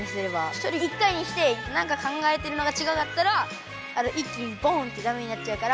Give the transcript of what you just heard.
ひとり１回にしてなんか考えてるのがちがかったら一気にボンってダメになっちゃうから。